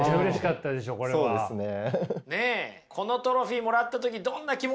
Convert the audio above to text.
このトロフィーもらった時どんな気持ちでした？